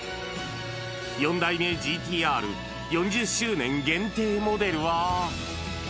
４代目ＧＴーＲ４０周年限定モデルは。